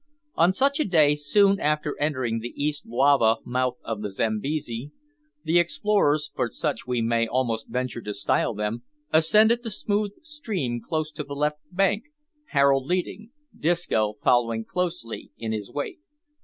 On such a day, soon after entering the East Luavo mouth of the Zambesi, the explorers, for such we may almost venture to style them, ascended the smooth stream close to the left bank, Harold leading, Disco following closely in his wake.